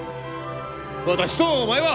私とお前は！